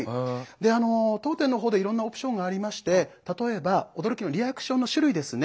であの当店の方でいろんなオプションがありまして例えば驚きのリアクションの種類ですね。